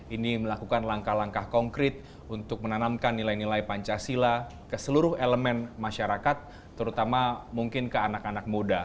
ini melakukan langkah langkah konkret untuk menanamkan nilai nilai pancasila ke seluruh elemen masyarakat terutama mungkin ke anak anak muda